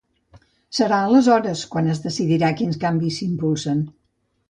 Serà aleshores quan es decidirà quins canvis s’impulsen.